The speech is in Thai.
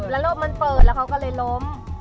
แล้วโลกมันเปิดแล้วเขาก็เลยล้ม